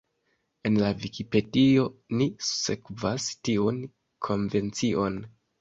En la Vikipedio ni sekvas tiun konvencion.